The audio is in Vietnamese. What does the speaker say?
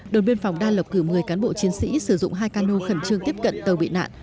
đồn biên phòng đa lộc cử một mươi cán bộ chiến sĩ sử dụng hai cano khẩn trương tiếp cận tàu bị nạn